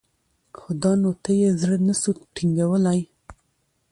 خو دانو ته یې زړه نه سو ټینګولای